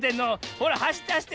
ほらはしってはしって。